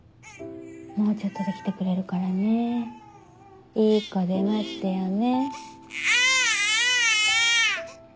もうちょっとで来てくれるからねいい子で待ってようね。